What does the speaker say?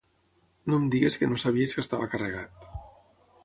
No em diguis que no sabies que estava carregat.